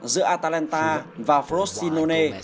giữa atalanta và frosinone